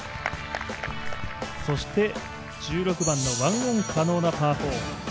そして、１６番の１オン可能なパー４。